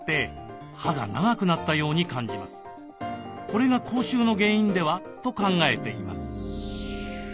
これが口臭の原因では？と考えています。